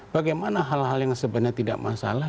bagaimana hal hal yang sebenarnya tidak masalah